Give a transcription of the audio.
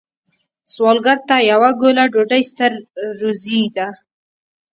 سوالګر ته یوه ګوله ډوډۍ ستر روزی ده